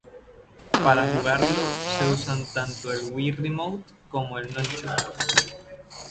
Para jugarlo, se usan tanto el Wii Remote como el Nunchuk.